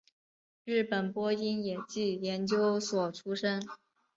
日本播音演技研究所出身。